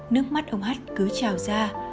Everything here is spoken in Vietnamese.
nước mắt ông h cứ trào ra